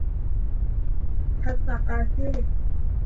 ทักษะอาชีพ